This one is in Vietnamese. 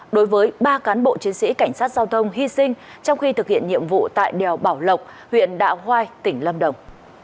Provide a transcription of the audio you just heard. đối với ba cán bộ chiến sĩ cảnh sát giao thông hy sinh trong khi thực hiện nhiệm vụ tại đèo bảo lộc huyện đạo hoai tỉnh lâm đồng